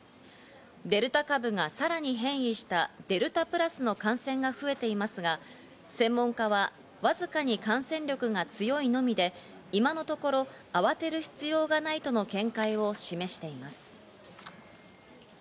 デルタ株がさらに変異したデルタプラスの感染が増えていますが、専門家はわずかに感染力が強いのみで今のところ、あわてる必要がないとの見解を示しています。